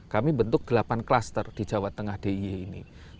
kami bentuk delapan cluster di jawa tengah dii ini